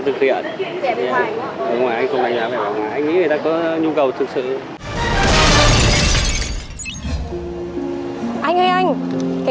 tý em quay lại em gửi em hứa anh yên tâm